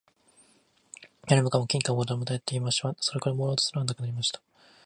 誰もかも金貨をたくさん貰って持っていました。そこでもう貰おうとするものはなくなりました。